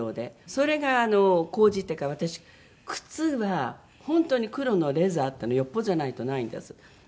それが高じてか私靴は本当に黒のレザーっていうのはよっぽどじゃないとないんです。